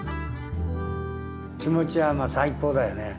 気持ちはまあ最高だよね。